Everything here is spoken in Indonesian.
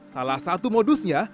salah satu modusnya